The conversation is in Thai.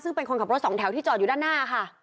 ซึ่งเป็นคนขับรถสองแถวที่จอดอยู่ด้านหน้าค่ะ